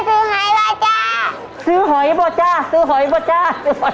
ซื้อหอยเลยจ้าซื้อหอยบ่จ้าซื้อหอยบ่จ้า